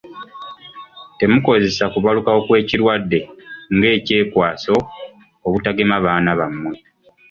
Temukozesa okubalukawo kw'ekirwadde nga eky'okwekwasa obutagema baana bammwe.